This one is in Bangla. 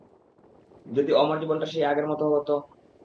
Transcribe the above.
যদি আমার জীবনটা সে-ই আগের মতো হতো!